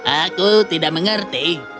aku tidak mengerti